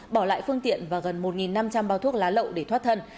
bỏ lại phương tiện và gần một năm trăm linh bao thuốc lá lậu để thoát thân